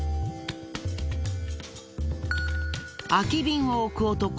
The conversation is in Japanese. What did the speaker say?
空き瓶を置く男。